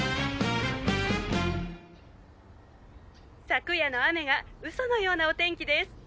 昨夜の雨がうそのようなお天気です。